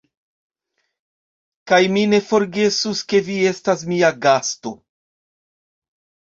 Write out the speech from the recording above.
Kaj mi ne forgesos, ke vi estas mia gasto!